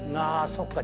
そっか。